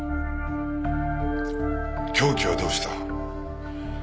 凶器はどうした？